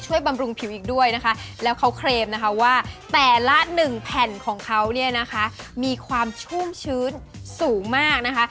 ชุ่มชื้นสูงมากนะคะ